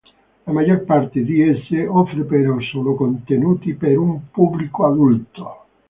La maggior parte di esse offre però solo contenuti per un pubblico adulto.